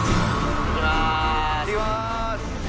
いってきます。